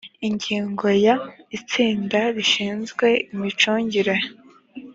ingingo ya… itsinda rishinzwe imicungire